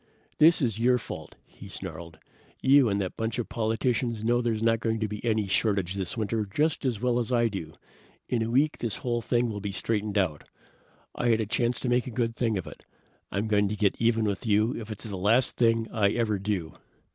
"This is your fault!" he snarled. "You and that bunch of politicians know there's not going to be any shortage this winter just as well as I do. In a week this whole thing will be straightened out. I had a chance to make a good thing of it. I'm going to get even with you if it's the last thing I ever do!"